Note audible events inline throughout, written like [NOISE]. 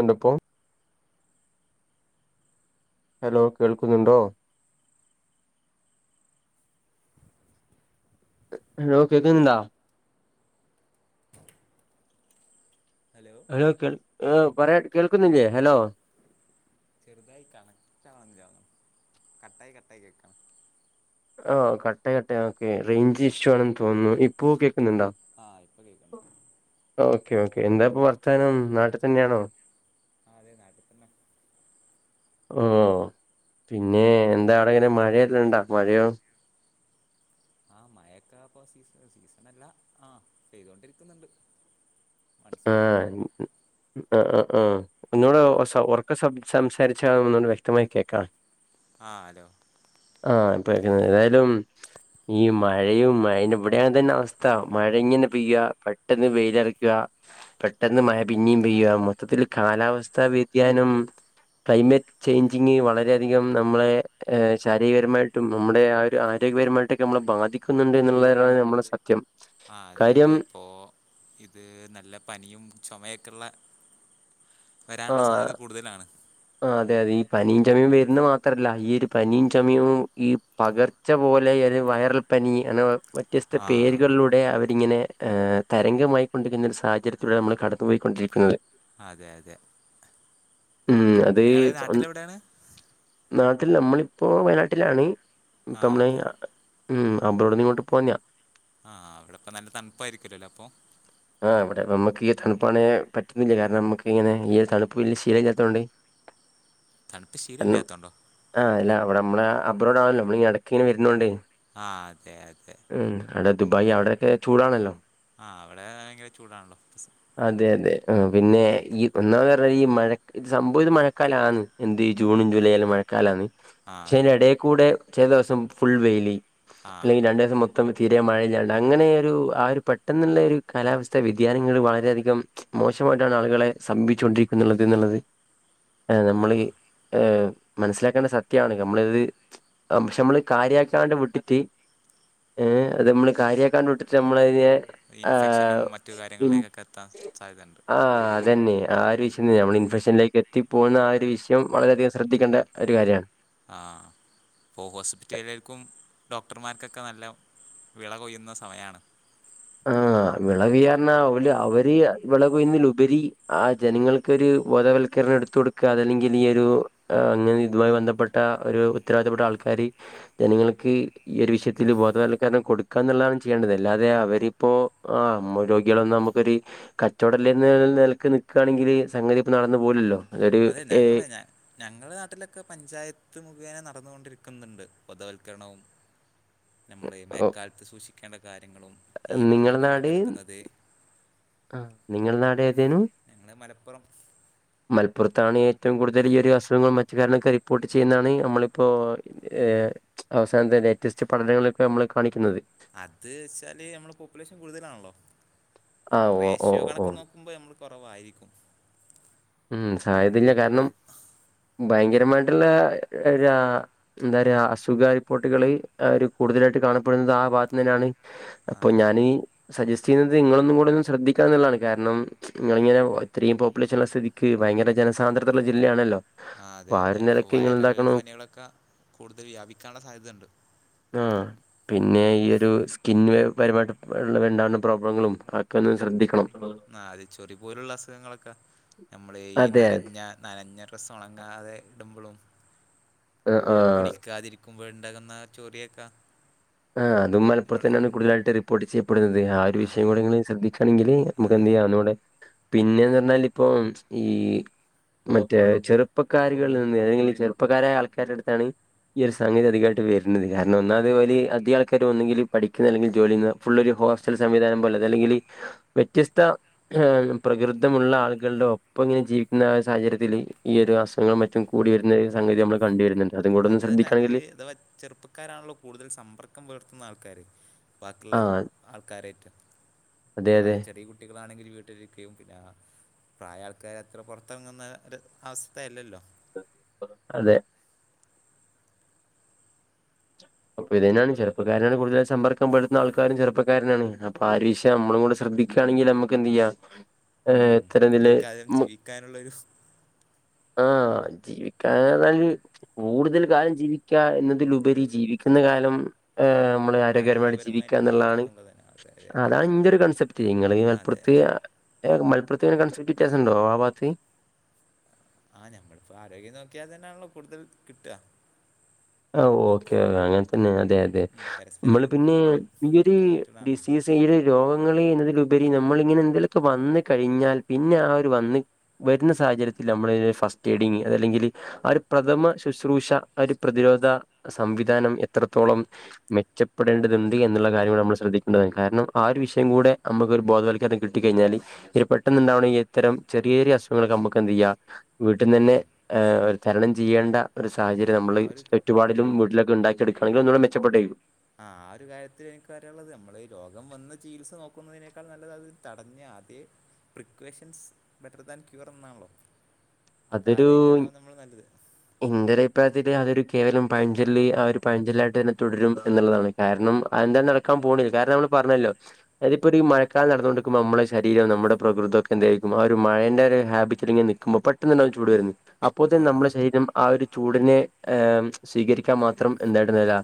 എണ്ടപ്പോ hello കേൾക്കുന്നുണ്ടോ hello കേക്ക്ന്ന്ണ്ടോ hello കേ ഏ പറേ കേൾക്കുന്നില്ലേ ഹലോ ചെറുതായി കാണക് റ്റാവുന്നില്ല കട്ടായി കട്ടായി കേക്കാണ് ആ കട്ടെ കട്ടെ ഓക്കെ റേയ്ഞ്ച് ഇഷ്യു ആണെന്ന് തോന്നുന്നു ഇപ്പോൊ ആ ഇപ്പ കേക്ണ്ട് ക്കെ ക്കെ എന്താപ്പ വർത്താനം നാട്ടി തന്നെയാണോ ആ അതെ നാട്ടി തന്നെ ഓ പിന്നെ എന്താ അവിടെങ്ങനെ മഴെല്ലാംണ്ടാ മഴയോ ആ മഴൊക്കെ അപ്പൊ സീസ സീസണല്ല ആ പേയ്തൊണ്ടിരിക്കുന്നുണ്ട് ആ ആ ആ ആ ഒന്നുടെ [UNINTELLIGIBLE] ഒറക്ക സംസാരിചാ ഒന്നുടെ വ്യക്തമായി കേൾക്കാ ആ ഹലോ ആ ഇപ്പ ഏതായാലും [INAUDIBLE] ഈ മഴയും അ അ [UNINTELLIGIBLE] ന്റെ ഇവിടെ തന്നെ അവസ്ഥ മഴ ഇങ്ങനെ പെയ്യ പെട്ടെന്ന് വെയിലറക്കാ പെട്ടെന്ന് മഴ പിന്നിയും പെയ്യുക മൊത്തത്തിൽ കാലാവസ്ഥ വ്യതിയാനം ക്ലൈമറ്റ് ചേഞ്ചിങ് വളരെയധികം നമ്മളെ ശാരീരികരമായിട്ടും നമ്മുടെ ആ ഒരു ആരോഗ്യ ട്ടക്കെ നമ്മ ബാധിക്കുന്നുണ്ട് എന്നുള്ളാണ് നമ്മ ആ അതെ അതെ ഇപ്പോൊ ഇത് നല്ല പനിയും ചുമയൊക്കെള്ള വരാനുള്ള സാധ്യത കൂടുതലാണ് ആ അതെ അതെ ഈ പനിയും ചമീയും വരുന്ന മാത്രല്ല ഈ ഒരു പനിയും ചമും ഈ പകർച്ച പോലെ ത് വൈറൽ പനി അ വ്യത്യസ്ത ആ പേരുകളിലൂടെ അവരിങ്ങനെ ഹ് തരംഗമായിക്കൊണ്ടിരിക്കുന്ന ഒരു സാഹചര്യത്തിലൂടൊണ് നമ്മൾ കടന്നു പോോയിക്കൊണ്ടിരിക്കുന്നത് അതെ അതെ ഉം അത് നിങ്ങള് നാട്ടിലെവിടെയാണ് നാട്ടിൽ നമ്മളിപ്പോ വയനാട്ടിലാണ് ആ തമ്മളെ അതെ ഉ അവബറോട് ഇങ്ങോട്ട് പോന്നാ ആഹ അവിടെപ്പ നല്ല തണുപ്പായിരിക്കല്ലോല്ലോ അപ്പൊ ആ് ഇവിടെ നമുക്ക്ഈ തണുപ്പ്ാണെ പറ്റുന്നില്ല കാരണം നമുക്ക് ഇങ്ങനെ ഈ തണുപ്പ് ശീലംില്ലാത്തൊണ്ട് ഉ കാരണം ആ് അല്ല അവിടെ നമ്മള അബ്്രോഡ് ആണല്ലോ നമ്മൾ ഇ ഇടക്ക ഇങ്ങനെ വരുന്നണ്ട് ആഹ അതെ അതെ അവിടെ ദുബായി് അവിടെയൊക്കെ ചൂടാണല്ലോ ആഹ് അവിടെ ഭയങ്കര ചൂടാണല്ലോ ആ പിന്നെ ഈ ഒന്നാമത് പറഞ്ഞാൽ ഈ മഴ സംഭവിച്ചത മഴക്കാലാണ് എന്ത് ഈ ജൂണും ജൂലൈ ആാലും മഴക്കാലമാണ് ആ അതെ പക്ഷെനി ഇട കൂടെ ചില ദിവസം ഫുൾ വെയിലി ആ അല്ലെങ്കിൽ രണ്ടു ദിവസം മൊത്തം മൊത്ത തീരെ മഴ ഞാണ്ട് അങ്ങനെ ഒരു ആ ഒരു പെട്ടെന്നുള്ള ഒരു കാലാവസ്ഥ വ്യതിയാനങ്ങൾ വളരെയധികം മോശമായിട്ടാണ് ആളുകളെ സമീപിച്ചു കൊണ്ടിരിക്കുന്നുള്ളത് എന്നുള്ളത് ആ നമ്മൾ ഏ മനസ്സിലാക്കേണ്ട സത്യമാണ് നമ്മളിത് പക്ഷെ നമ്മള് കാര്യമാക്കാണ്ട് വിട്ടിട്ട് ഏ അത് നമ്മള് കാര്യെക്കാണ്ട് വിട്ടിട്ട് നമ്മൾതിനെ ഇൻഫെക്ഷനും മറ്റു കാര്യങ്ങളിലേക്കൊക്കെ എത്താൻ സാധ്യതയുണ്ട് ആഹ് അതന്നെ ആ ഒരു വിഷയം തന്നെ നമ്മൾ ഇൻഫെക്ഷനിലേക്ക് എത്തി പോകുന്ന ആ ഒരു വിഷയം വളരെെയധികം ശ്രദ്ധിക്കേണ്ട ഒരു കാര്യമാണ് ആഹ ഇപ്പോൾ ഹോസ്പിറ്റലുകില്ക്കും ഡോക്ടർമാർക്കൊക്കെ നല്ല വിള കൊയ്യുന്ന സമയമാണ് ആഹ ആ വിളവുചാര അവര് വിളകുന്ന ഉപരി ആ ജനങ്ങൾക്കൊരു ബോധവൽക്കര െരഞ്ഞെടുത്ത കൊടുക്കുക അതല്ലെങ്കിൽ ഈ ഒരു അനെ ഇതുമായി ബന്ധപ്പെട്ട ഒരു ഉത്തരവാദിത്തപ്പെട്ട ആൾക്കാാര് ജനങ്ങൾക്ക് ഈ ഒരു വിഷയത്തിൽ ബോധവൽക്കരണം കൊടുക്കുക എന്നുള്ളതാണ് ചെയ്യേണ്ടത് അല്ലാതെ അവര് ആ അമ്മ രോഗികളൊന്നും നമുക്കൊരു രോഗി വന്നാൽ കച്ചവടല്ലന്ന് നിലക്ക് നിൽക്കുകയാണെങ്കിൽ സംഗതി ഇപ്പ നടന്നു പോവുലല്ലോ അതെ ഞങ്ങളഞ ഞങ്ങളുടെ നാട്ടിലൊക്കെ പഞ്ചായത്ത് മുഖേന നടന്നുകൊണ്ടിരി ന്നുണ്ട് ബോധവൽക്കരണവും നമ്മളെ ഓഹ് മേക്കാലത്ത് സൂക്ഷിക്കേണ്ട കാര്യങ്ങളും ഈ വള്ളം കെട്ടിക്കെടക്കുന്നത് ആ നിങ്ങൾ നാട് ഏതേനു മലപ്പുറം മല പ്പുറത്താണ് ഏറ്റവും കൂടുതൽ ഈ ഒരു അസുഖങ്ങൾ മറ്റു കാര്ങ്ങളൊക്കെ റിപ്പോർട്ട് ചെയ്യുന്നതാണ് നമ്മളിപ്പോൾ ് അവസാനത്തെ ലേറ്റസ്റ്റ് പഠനങ്ങളൊക്കെ നമ്മള് കാണിക്കുന്നത് അത് വെച്ചാല് നമ്മള പോപ്പുലേഷൻ കൂടുതലാണല്ലോ ആഹ് ഓ ഓ റേഷ്യോ ഓ കണക്ക് നോക്കുമ്പോ നമ്മൾ കുറവായിരിക്കും ഉം സാധ്യതയില്ലകാരണം ഭയങ്കരമായിട്ടുള്ള എന്താ പറയാ അസുഖ റിപ്പോർട്ടുകള് ഒരു കൂടുതലായിട്ട് കാണപ്പെടുന്നത് ആ ഭാഗു തന്നെയാണ് ആ അപ്പൊ ഞാന് സജസ്റ്റ് ചെയ്യുന്നത് നിങ്ങളന്നും കൂടെ ഒും ശ്രദ്ധിക്കാ എന്നുള്ളതാണ് കാരണം നിങ്ങളിങ്ങനെ ഇത്രയും പോപ്പുലേഷൻ ഉള്ള സ് തീ ക്ക് ഭയങ്കര ജനസാന്ദ്രതയുള്ള ജില്ലയാണല്ലോ ആ അതെ അതെ ഒരു അപ്പൊ നിലയ്ക്ക് നിങ്ങൾ വൈറൽ എന്താക്കണം പനികളൊക്കെ കൂടുതൽ വ്യാപിക്കാനുള്ള സാധ്യതയുണ്ട് ആ പിന്നെ ഈ ഒരു സ്കിൻ വേ പരുപാട്ട് ഉള്ള വേണ്ടാുന്ന പ്രോബ്ലങ്ങളും അത് ഒക്കെ ഒന്ന് ശ്രദ്ധിക്കണം ആ അത് ചൊറി പോലുള്ള അസുഖങ്ങളൊക്കെ നമ്മള് ഈ അതെ അതെ നനഞ്ഞ നനഞ്ഞ ഡ്രസ്സ് ഉണങ്ങാതെ ഇടുമ്പോളും ആ ആ ക്കുബോഴ് ഉണ്ടാക്കുന്ന ചോറിയൊക്കാ ആ അതും മലപ്പുറത്തന്നെയാണ് കൂതലായിട്ട് റിപ്പോർട്ട് ചെയ്യപെ ഇപ്പെടുന്നത് ആ ഒരു വിഷയം കൂടെ നിങ്ങ ശ്രദ്ധിക്കുകണെങ്കിൽ ആ നമുക്ക് എന്ത് ചെയ്യാം ഒനോടെ പിന്നെന്ന് പറഞ്ഞാൽ ഇപ്പൊ ഈ മറ്റേ ചെറുപ്പക്കാരികൾ നിന്ന് ഏതെങ്കിലും ചെറുപ്പക്കാരായ ആൾക്കാരുടെ അടുത്താണ് ഈ ഒരു സംഗതി അധികമായിട്ട് വരുന്നത് കാരണം ഒന്നാമത് ഓല് അ ദ്യ ആൾക്കാർ വന്നെങ്കിൽ പഠിക്കുന്ന അല്ലെങ്കിൽ ജോലിയുന്ന ഫുള്ള ഒരു ഹോസ്റ്റൽ സംവിധാനം പോലെ അല്ലെങ്കിൽ വ്യത്യസ്ത പ്രകൃതമുള്ള ആളുകളുടെ ഒപ്പം ഇങ്ങനെ ജീവിക്കുന്ന സാഹചര്യത്തില്ൽ ഈ ഒരു അസുഖും മറ്റും കൂടിവരുന്നത് അത്തന്നെ അത് ഇത് ചെറുപ്പക്കാരാണല്ലോ കൂടുതൽ സമ്പർക്കം വർ ത്തുന്ന ആൾക്കാര് ബാക്കിയുള്ള ആ ആൾക്കാരായിറ്റ് അതെ അതെ തയെ ചെറിയ കുട്ടികളാണെങ്കിൽ വീട്ടിലിരിക്കുകയും പിന്നെ പ്രായ ആൾക്കാർ അത്ര പുറത്തിറങ്ങുന്ന ഒരു അവസ്ഥയല്ലല്ലോ അതെ അപ്പൊ ഇത് തെയാണ് ചെറപ്പക്കാരനാണ് കൂടുതലും സമ്പർക്കംപ്പെടുന്ന ആൾക്കാരും ചെറുക്കാരനാണ് അപ്പൊ ആഒരു വിഷയംനമ്മളും ശ്ര ദ്ധിക്കുക യാണെങ്കിൽ നമുക്ക എന്ത് ചെയ്യാ ഏ ഉം ഇത്തരം ഇതില് കൂടുതൽ കാലം ജീവിക്കാനുള്ളൊരു ആ ജീവിക്കാന ല് കൂടുതൽ കാലം ജീവിക്കാ എന്നതിലുപരി ജീവിക്ക ഇന്ന് കാലം ഹ് നമ്മ ആരോഗ്യകരമായിട്ട് ജീവിക്കാ ആരോഗ്യപരമായിട്ട് ജീവിക്കുക എന്നുള്ളതാണ് അതെ അതെ അതെ അതാണ് അതെ ഇന്റെ ഒരു കൺസെപ്റ്റ് നിങ്ങള് അതെ മലപ്പുറത്ത് ഏ മലപ്പുറത്തേന കൺസറ്റ് ഇറ്റാസുണ്ടോ ആ ബാത്ത് ആ ഞമ്മളിപ്പോ ആരോഗ്യം നോക്കിയാൽ തന്നെയാണല്ലോ കൂടുതൽ കിട്ടുക ആ ഓക്കെ അങ്ങനെ തന്നെ അതെ അതെ ഉം പരസ്പരം നമ്മള് പിന്നെ ഈ കണക്റ്റഡ് ആണല്ലോ ഡിസ് തിര് രോഗം എന്നതിലുപരി നമ്മൾ ഇങ്ങനെ എന്തെലൊക്കെ വന്ന കഴിഞ്ഞാൽ പിന്നെ ആ ഒരു വന്ന് വരുന്ന സാഹചര്യത്തി നമ്മള ഫസ്റ്റ് എയ്ഡിങ് അതല്ലെങ്കിൽ ആ ഒരു പ്രഥമ ശുശ്രൂഷ പ്രതിരോധ സംവിധാനം എത്രത്തോളം മെച്ചപ്പെടേണ്ടതുണ്ട് എന്നുള്ള കാര്യമാണ് നമ്മൾ ശ്രദ്ധിക്കേണ്ടത് കാരണം ആ ഒരു വിഷയം കൂടെ നമുക്ക് ഒരു ബോധവത്ൽക്കരതം കിട്ടി കഴിഞ്ഞാൽ ഇൽ പെട്ടെന്നുണ്ടാവണെങ്കിൽ ഇത്തരം ചെറിയ ചെറിയ അസുഖങ്ങൾ നമുക്ക് എന്ത് ചെയ്യ വീട്ടന്ന് തന്നെ തരണം ചെയ്യേണ്ട ഉം സാഹചര്ം ആ നമ്മള് ഒരു ചുപാടും വീട്ടിലക്കെ ഉണ്ടാക്കിെടുക്കയാണെങ്കിൽ ഒന്നൂ മെച്ചപ്പെട്ടേും ആ ആ ഒരു കാര്യത്തിൽ എനിക്ക് പറയാനുള്ളത് നമ്മൾ രോഗം വന്ന് ചികിത്സ നോക്കുന്നതിനേക്കാൾ നല്ലത് അത് തടഞ്ഞ ആദ്യ പ്രക്കൊക്ഷൻസ് ബെറ്റർ ദാൻ ക്യൂർ എന്നാണല്ലോ അത് അതൊരു ആലോചിക്കുന്നതാവും നമ്മൾ നല്ലത് എന്റെ ഒരു അ പ്രയത്തിൽ അതൊ കേവലം പഴഞ്ചെല് ആ ഒരു പഴഞ്ചെല്ലായിട്ട് തന്നെ തുടരും എന്നുള്ളതാണ് കാരണംഅഎന്താ നടക്കാ പോണ് കാരണം നമ്മൾ പറഞ്ഞല്ലോ അതിപ്പോ മഴക്കാലം നടന്നുകൊടുക്കുമ്പ നമ്മുടെ ശരീരം നമ്മടെ പ്രകൃതംഒക്കെ എന്തും ആ ഒരു മഴന്റെ ഒരു ഹാബറ്റിൽ ഇങ്ങെ നിൽക്കുമ്പൾപ്പോം പെട്ടെന്ന് ട്ടൻന്ന് ചൂട് വരുന്നത് അപ്പോ ആ തന്നെ ആ നമ്മുടെ ശരീരം ആ ഒരു ചൂടിനെ് സ്വീകരിക്കാൻ മാത്രം എന്ത പെട്ടെന്നത്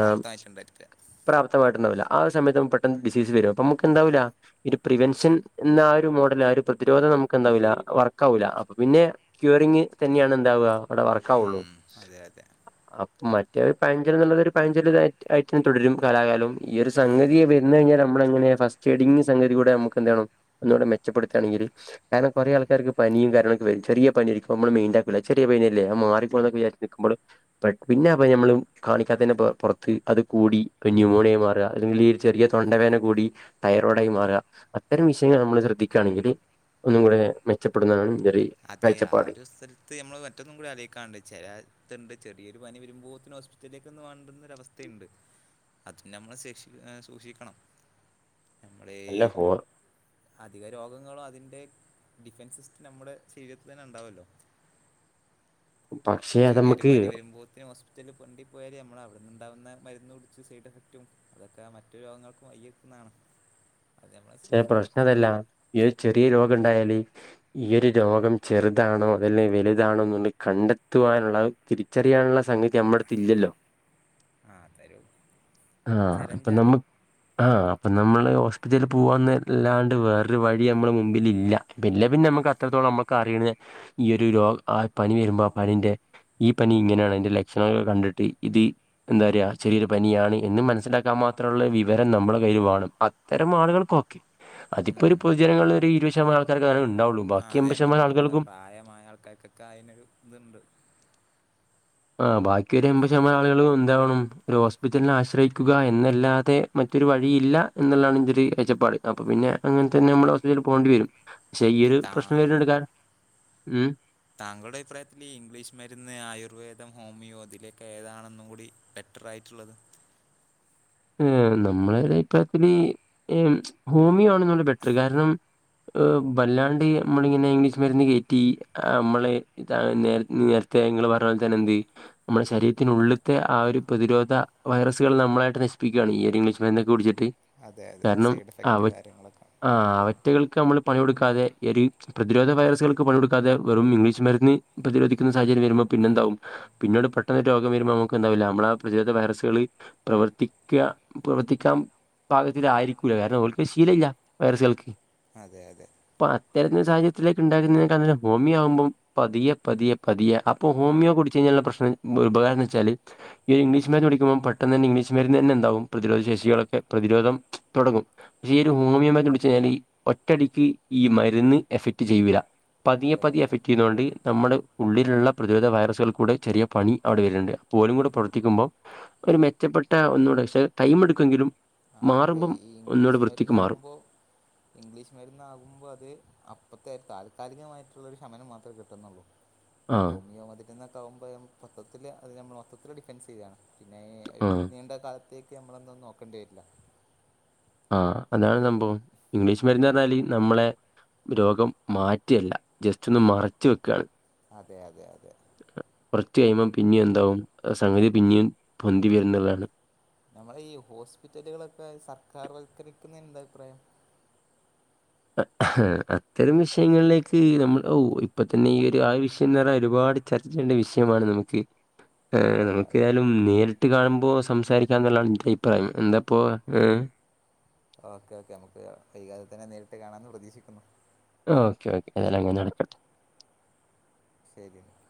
പ്രാപ്തമായിട്ടുണ്ടായിരിക്കുക പ്രാപ്തമായിട്ടുന്ന വില ആ സമയത്ത് പെട്ടെന്ന് ഡിസീസ് വരും അപ്പൊ നമുക്ക് എന്താവൂ ഇ ഒരു പ്രിവെൻഷൻ എന്ന ആ ഒരു മോഡൽ ആ ഒരു പ്രതിരോധം നമുക്ക് എന്താവൂല വർക്കാവുല്ല അപ്പ പിന്നെ ക്യറിഗ് തന്നെയാണ് അവിടെ വർക്കുള്ളൂ ഉം അതെ അതെ മറ്റേ പാഞ്ചല് എന്നുള്ളൊരു പാഞ്ചല്യിട്ട തന്നെ തുടരും കലാകാലം ഈയ ഒരു സംഗതിയെ വരുന്നു കഴിഞ്ഞാൽ നമ്മ സ്റ്റ് എങ് സംഗതി കൂടെ ന എൂടെ മെച്ചപ്പെടുുകയാണെങ്ക കാരണം കുറേ ആൾക്കാർക്ക് പനിയും കാരള് ചെറിയ പനിരിക്ക്പ നമ്മള് മൈൻഡ് ആകുല ചെറിയ പനിയ അല്ലേ അത് മാറി പോവല്ലോന്ന് വിചാരിച്ച് നിൽക്കുമ്പോൾ പിന്നെ ആ പനി നമ്മള് കാണിക്കാത്തെ പുറത്ത് അത് കൂടി ന്യൂമോണിയ മാറുക അല്ലെങ്കിൽ ചെറിയ തൊണ്ടവേന കൂടി തയറോയ്ഡായി മാറുക അത്തരം വിഷയങ്ങൾ നമ്മള് ശ്രദ്ധിക്കുകയാണെങ്കിൽ ഒന്നും കൂടെ മെച്ചപ്പെടുന്നതാണ് എന്റെ ഒരു ഇത് അതെ ആ ഒരു സ്ഥലത്ത് നമ്മള് മറ്റൊന്നും കൂടി ആലേയിക്കാണ്ട് ചിലത്ണ്ട് ചെറിയൊരു പനി വരുമ്പോത്തനന് ഹോസ്പിറ്റലിലേക്ക് ഒന്ന് വേണ്ടുന്നരവസ്ഥയുണ്ട് അതിന് നമ്മള് ശക്ഷി സൂക്ഷിക്കണം നമ്മുടെ ഈ അല്ല ഹോ അധിക രോഗങ്ങളും അതിൻ്റെ ഡിഫൻസ് സിസ്റ്റ് നമ്മള് ക്ഷീണത്തിൽതന്നെ ഉണ്ടാവല്ലോ അപ്പൊ പക്ഷെ അത് ചെറിയൊരു നമുക്ക് പനി വരുമ്പോത്തന് ഹോസ്പിറ്റലിൽ കൊണ്ടി പോയല് നമ്മളവിടെ ഉണ്ടാവുന്ന മരുന്ന് കുടിച്ച് സൈഡ് എഫക്റ്റും അതൊക്കെ മറ്റ്‌ രോഗങ്ങൾക്കും വഴി വയ്ക്കുന്നതാണ് പക്ഷെ പ്രശ്നം അതല്ല ഈ ചെറിയ രോഗ ക്ക ഉണ്ടായാല് ഈ ഒരു രോഗം ചെറുതാണോ അതല്ല വലുതാണോ എന്ന് കണ്ടെത്തുവാനുള്ള തിരിച്ചറിയാനുള്ള സംഗതി നമ്മടത്ത് ഇല്ലല്ലോ ആ അതൊരു ആ അപ്പൊ ചലഞ്ചാണ് നമ്ക്ക് ആ അപ്പ നമ്മൾ ഹോസ്പിറ്റലിൽ പോവാന്നല്ലാണ്ട് വേറൊരു വഴി നമ്മള മുമ്പിൽ ഇല്ല പിന്നെ പിന്നെ നമുക്ക് അത്രത്തോളം നമ്മുക്ക് അറിയണ ഈ ഒരു രോഗ ആ പനി വരുമ്പോ ആ പനിന്റെ ഈ പനി ഇങ്ങനെയാണ് അതിന്റെ ലക്ഷണങ്ങൾ കണ്ടിട്ട് ഇത് എന്താ പറയാ ചെറിയൊരു പനിയാണ് എന്ന് മനസ്സിലാക്കാൻ മാത്രമുള്ള വിവരം നമ്മള കയ്യില് വേണം അത്തരം ആളുകൾ ഓക്കെ അതിപ്പോ ഒരു ഉം പൊതുജനങ്ങളിൽ ഒരു ഇരുപത് ശതമാനം ആൾക്കാർക്ക് അത് ആ അതെ നമ്മടെ മുതിർന്ന പ്രായമായ ആൾക്കാർക്കൊക്കെ അതിനൊരു ഇതുണ്ട് ആ ബാക്കി ഒരു എൺമ്പത് ശതമാനം ആളുകളും എന്താവണം ഒരു ഹോസ്പിറ്റലിനെ ആശ്രയിക്കുക എന്നല്ലാതെ മറ്റ് ഒരു വഴിയില്ല എന്നുള്ളതാണ് എന്റെ ഒരു കഴച്ചപ്പാട് അപ്പൊ പിന്നെ അങ്ങനെ തന്നെ നമ്മള് ഹോസ്പിറ്റലിൽ പോകണ്ടി വരും പക്ഷെ ഈ ഇനി ഒരു താ പ്രശ്നം ഏറ്റെടുക്കാൻ ഉം താങ്കളുടെ അഭിപ്രായത്തില് ഈ ഇംഗ്ലീഷ് മരുന്ന് ആയുർവേദം ഹോമിയോ അതിലൊക്കെ ഏതാണെന്നും കൂടി പെ ബെറ്ററായിട്ടുള്ളത് ഉം നമ്മള ഒരു അഭിപ്രായത്തില് ഈ ഹോമിയോ ആണെന്ന് തോനുന്നു ബെറ്റർ കാരണം ഹ് ബല്ലാണ്ട് നമ്മള് ഇങ്ങനെ ഇംഗ്ലീഷ് മരുന്ന് കയറ്റി നമ്മളെ ഇതാണ് ഇങ്ങള് പറഞ്ഞപോലെ തന്നെ എന്ത് നമ്മുടെ ശരീരത്തിനുള്ളിത്തെ ആ ഒരു പ്രതിരോധ വൈറസുകൾ നമ്മളായിട്ട് നശി പിക്കാണ്ഈ ഒരു ഇംഗ്ലീഷ് മര്ന്ന് ഒക്കെ കുടിച്ചിട്ട് അതെ അതെ കാരണം സൈഡ് എഫക്റ്റ് അവ കാര്യങ്ങളൊക്കെ ആ കൂടുതൽ അവറ്റകൾക്ക് നമ്മള് പണി കൊടുക്കാതെ ഒരു പ്രതിരോധ വൈറസുകൾക്ക് പണി കൊടുക്കാതെ വെറും ഇംഗ്ലീഷ് മരുന്ന് പ്രതിരോധിക്കുന്ന സാഹചര്യം വരുമ്പോ പിന്നെന്താവും പിന്നീട് പെട്ടെന്ന് രോഗം വരുമ്പോൾ നമുക്ക് എന്താവില്ല നമ്മള ആ പ്രതിരോധ വൈറസുകള് പ്രവർത്തി ക്കാ പ്രവർത്തിക്കാൻ പാകത്തിലായിരിക്കൂല്ല കാരണം ഓല് ക്ക് ശീല ഇല്ല വൈറസുകൾക്ക് അതെ അതെ തരുന്ന സാഹചര്യത്തിലേക്ക് ഉണ്ടാക്കുന്നതിനക്ക ഹോമിയോ ആകുമ്പം പതിയ പതിയെ പതിയ അപ്പോ ഹോമിയോ കുടിച്ച് കഴി ഞ്ഞാൽ പ്രശ്നം ഉപകാരം എന്ന് വെച്ചാല് ഇംഗ്ലിഷ് മര്ന്ന് കുടിക്കുമ്പം പെട്ടെന്ന് തന്നെ ഇംഗ്ലീഷ് മര്ന്ന് ഇ തന്നെ എന്താവും പ്രതിരോധശേഷികളൊക്കെ പ്രതിരോധം തുടങ്ങും പക്ഷെ ഈ ഉം ഒരു ഹോമിയോ മരുന്ന് കുടിച് കഴിഞ്ഞാല് ഒറ്റടിക്ക് ഈ മരുന്ന് എഫക്റ്റ് ചെയ്യൂല്ല പതിയെ അതെ പതിയെ അതെ എഫക്ട് ചെയ്യുന്നതൊണ്ട് നമ്മുടെ ഉള്ളിലുള്ള പ്രതിരോധ വൈറസുകൾ കൂടെ ചെറിയ പണി അവിടെ വരുന്നുണ്ട് പോലും കൂടെ അതെ പ്രവർത്തിക്കുമ്പോൾ ഒരു മെച്ചപ്പെട്ട ഒന്നുകൂടെ പക്ഷേ ടൈമ് എടുക്കുമെങ്കിലും ആ അതെ മാറുമ്പം ഈ ഒന്നുകൂടെ ഇംഗ്ലീഷ് വൃത്തിക്ക് മരുന്ന് മാറും ആകുമ്പോ ഇംഗ്ലീഷ് മര്ന്ന് ആകുമ്പോൾ അത് അപ്പഴത്തെ ആ ഒരു കാലികമായിട്ടുള്ളൊരു ശമനം മാത്രമേ കിട്ടുന്നുള്ളൂ ആഹ് ഹോമിയോ മര്ന്ന് ആകുമ്പോ മൊത്തത്തിൽ അതി നമ്മൾ മൊത്തത്തിൽ ഡിഫൻസ് ചെയ്യാണ് പിന്നെ ആഹ് നീണ്ട കാലത്തേക്ക് നമ്മളെന്താന്നും നോക്കേണ്ടി വരില്ല ആ അതാണ് സംഭവം ഇംഗ്ലീഷ് മരുന്ന് പറഞ്ഞാല് നമ്മളെ രോഗം മാറ്റ്ല്ല ജസ്റ്റ് ഒന്ന് മറച്ച് വെക്കയാണ് അതെ അതെ അതെ കുറച്ച് കഴിയുമ്പം പിന്നയും എന്താവും സംഗതി പിന്നയും പൊന്തി വരുന്നതാണ് നമ്മള ഈ ഹോസ്പിറ്റലുകളൊക്കെ സർക്കാർ വൽക്കരിക്കുന്ന എന്താ അഭിപ്രായം അത്തരം വിഷയങ്ങളിലേക്ക് നമ്മൾ ഇപ്പ തന്നെ ഈ ഒരു ആ വിഷയംന്ന് പറഞാ ഒരുപാട് പാട് ചർച്ച ചെയ്യേണ്ട വിഷയമാണ് നമുക്ക് ഓ അതെ നമുക്കേഏതായാലും നേരിട്ട് കാണുമ്പോൾ സംസാരിക്കാ എന്നുള്ളതാണ് എന്റെ അഭിപ്രായം എന്താപ്പോ ഏ ഓക്കെ ഓക്കെ നമുക്ക് വൈകാതെ തന്നെ നേരിട്ട് കാണാന്ന് പ്രതീക്ഷിക്കുന്നു ഓക്കെ ഓക്കേ അതെല്ലാം ഇങ്ങനെ നടക്കട്ടെ ശരിന്നാ